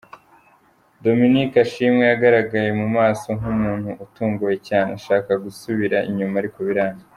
Dominic Ashimwe yagaragaye mu maso nk'umuntu utunguwe cyane, ashaka gusubira inyuma ariko biranga.